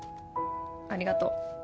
ありがとう。